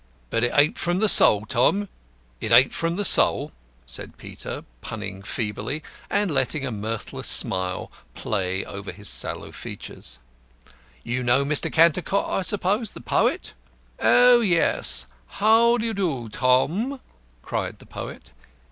But it ain't from the soul, Tom, it ain't from the soul," said Peter, punning feebly, and letting a mirthless smile play over his sallow features. "You know Mr. Cantercot, I suppose? The Poet." "Oh, yes; how do you do, Tom?" cried the Poet.